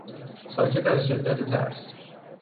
ساکت از شدت ترس